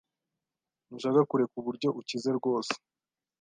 Ntushaka kureka uburyo ukize rwose.